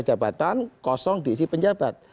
kejabatan kosong diisi penjabat